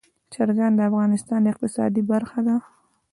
چرګان د افغانستان د اقتصاد برخه ده.